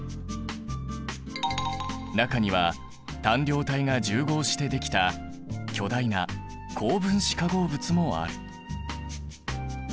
中には単量体が重合してできた巨大な高分子化合物もある。